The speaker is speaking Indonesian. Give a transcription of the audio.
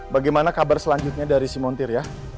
bagaimana kabar selanjutnya dari si montir ya